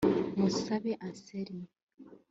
Musabe Anselme